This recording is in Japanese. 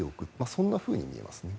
そんなふうに見えますね。